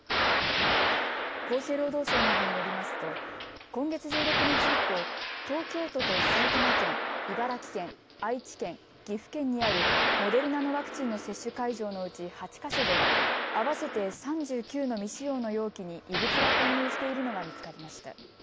厚生労働省などによりますと今月１６日以降、東京都と埼玉県、茨城県、愛知県、岐阜県にあるモデルナのワクチンの接種会場のうち８か所で合わせて３９の未使用の容器に異物が混入しているのが見つかりました。